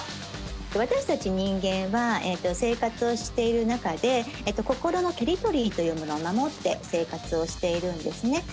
私たち人間は生活をしている中で心のテリトリーというものを守って生活をしているんですね。